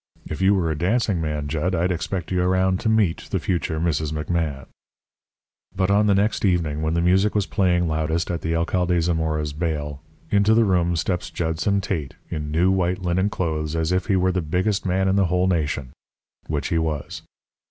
If you were a dancing man, Jud, I'd expect you around to meet the future Mrs. McMahan.' "But on the next evening, when the music was playing loudest at the Alcade Zamora's baile, into the room steps Judson Tate in new white linen clothes as if he were the biggest man in the whole nation, which he was.